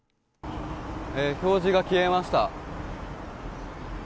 表示が消えました。